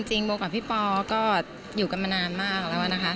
โบกับพี่ปอก็อยู่กันมานานมากแล้วนะคะ